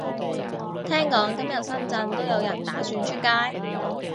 聽講今日深圳都有人打算出街